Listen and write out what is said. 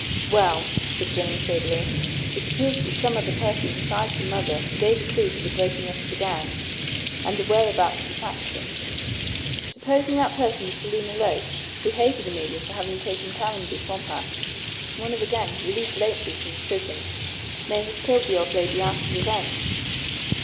"Well," said Jennings soberly, "it appears that some other person besides the mother gave a clue to the breaking up of the gang and the whereabouts of the factory. Supposing that person was Selina Loach, who hated Emilia for having taken Caranby from her. One of the gang released lately from prison may have killed the old lady out of revenge."